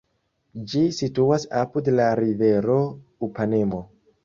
Ĝi situas apud la rivero Upanemo.